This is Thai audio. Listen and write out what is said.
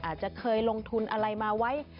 อาจจะเคยลงทุนอะไรมาไว้